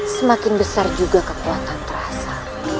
semakin besar juga kekuatan terasa